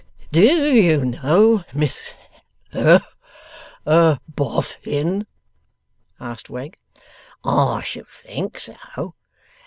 'Doyouknow Mist Erboff in?' asked Wegg. 'I should think so!